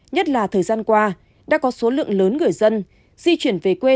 nhất là thời gian qua đã có số lượng lớn người dân di chuyển về quê